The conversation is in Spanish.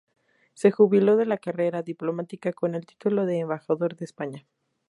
Se jubiló de la carrera diplomática con el título de Embajador de España.